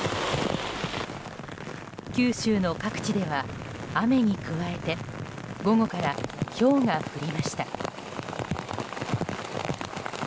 九州の各地では雨に加えて午後からひょうが降りました。